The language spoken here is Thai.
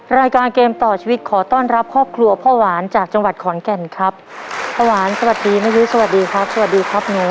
รายการเกมต่อชีวิตขอต้อนรับครอบครัวพ่อหวานจากจังหวัดขอนแก่นครับพ่อหวานสวัสดีแม่ยุสวัสดีครับสวัสดีครับหนู